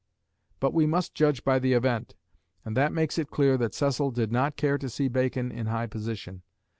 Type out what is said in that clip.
But we must judge by the event, and that makes it clear that Cecil did not care to see Bacon in high position.